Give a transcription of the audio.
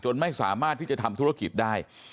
ไม่สามารถที่จะทำธุรกิจได้